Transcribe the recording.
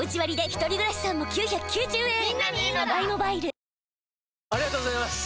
わかるぞありがとうございます！